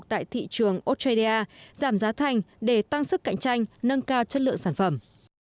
tại thị trường australia giảm giá thành để tăng sức cạnh tranh nâng cao chất lượng sản phẩm